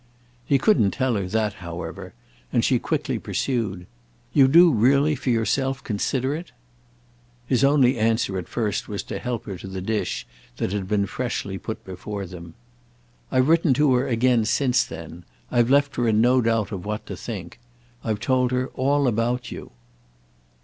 He couldn't tell her that, however, and she quickly pursued. "You do really, for yourself, consider it?" His only answer at first was to help her to the dish that had been freshly put before them. "I've written to her again since then—I've left her in no doubt of what I think. I've told her all about you."